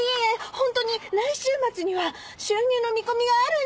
本当に来週末には収入の見込みがあるんです。